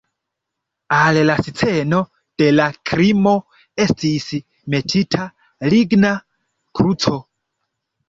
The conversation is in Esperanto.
Al la sceno de la krimo estis metita ligna kruco.